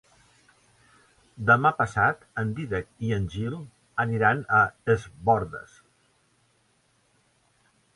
Demà passat en Dídac i en Gil aniran a Es Bòrdes.